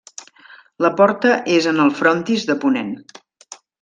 La porta és en el frontis de ponent.